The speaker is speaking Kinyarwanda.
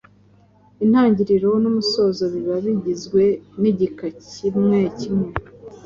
intangiriro n’umusozo biba bigizwe n’igika kimwekimwe